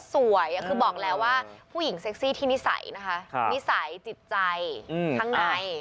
สวยคือบอกแล้วว่าผู้หญิงเซ็กซี่ที่นิสัยนะคะนิสัยจิตใจข้างใน